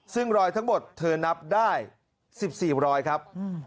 ซึ่งรอยทั้งหมดเธอนับได้๑๔รอยครับ